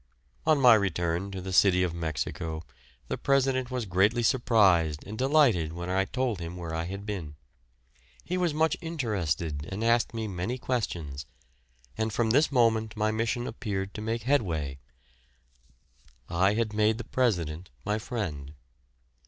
On my return to the city of Mexico, the President was greatly surprised and delighted when I told him where I had been. He was much interested and asked me many questions, and from this moment my mission appeared to make headway; I had made the President my friend.